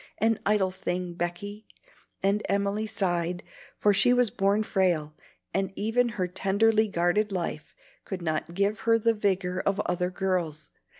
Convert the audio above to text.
An idle thing, Becky!" and Emily sighed, for she was born frail, and even her tenderly guarded life could not give her the vigor of other girls.